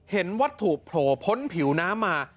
เห็นวัตถุโผล่พ้นผิวน้ำมา